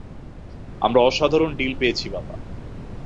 আমরা অসাধারণ ডিল পেয়েছি, বাবা।